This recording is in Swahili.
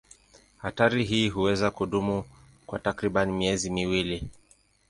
Hatari hii huweza kudumu kwa takriban miezi miwili.